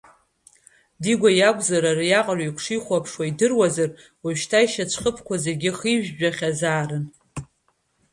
Дигәа иакәзар ариаҟараҩык шихәаԥшуа идыруазар, уажәшьҭа ишьацәхыԥқәа зегьы хижәжәахьазаарын.